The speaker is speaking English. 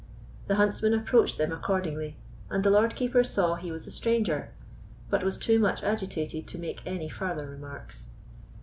The huntsman approached them accordingly, and the Lord Keeper saw he was a stranger, but was too much agitated to make any farther remarks.